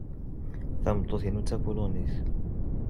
Tameṭṭut-inu d Tapulunit.